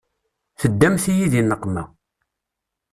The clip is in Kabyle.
Teddamt-iyi di nneqma.